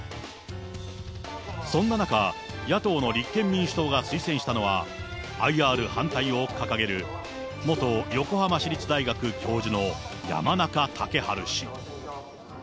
そんな中、野党の立憲民主党が推薦したのは、ＩＲ反対を掲げる、元横浜市立大学教授の山中竹春氏。